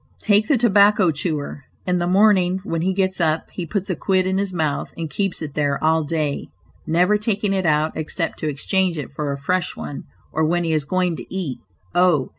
Take the tobacco chewer. In the morning, when he gets up, he puts a quid in his mouth and keeps it there all day, never taking it out except to exchange it for a fresh one, or when he is going to eat; oh!